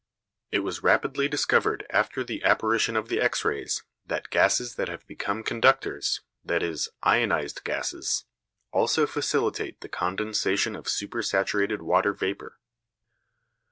It was rapidly discovered after the apparition of the X rays that gases that have become conductors, that is, ionised gases, also facilitate the condensation of supersaturated water vapour.